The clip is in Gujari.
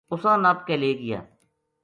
اُساں نپ کے لے گیا